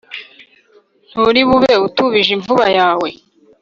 Ntulibube utubije imvuba yawe!"